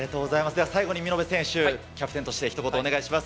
では最後に見延選手、キャプテンとしてひと言お願いします。